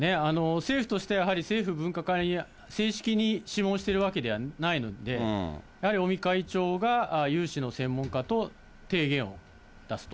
政府としてやはり政府分科会に正式に諮問しているわけではないので、やはり尾身会長が有志の専門家と提言を出すと。